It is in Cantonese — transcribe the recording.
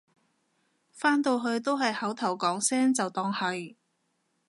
返到去都係口頭講聲就當係